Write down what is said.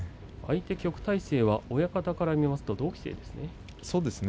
旭大星は親方から見ますと同期生ですね。